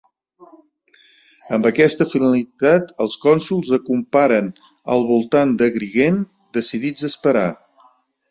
Amb aquesta finalitat, els cònsols acamparen al voltant d'Agrigent, decidits a esperar.